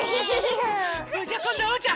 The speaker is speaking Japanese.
それじゃあこんどおうちゃん。